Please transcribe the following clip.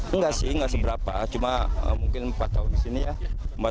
enggak sih enggak seberapa cuma mungkin empat tahun di sini ya